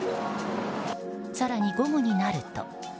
更に、午後になると。